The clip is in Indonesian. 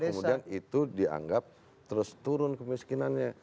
kemudian itu dianggap terus turun kemiskinannya